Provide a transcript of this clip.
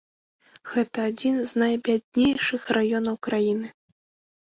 Гэта адзін з найбяднейшых раёнаў краіны.